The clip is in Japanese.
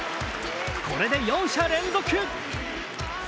これで４者連続。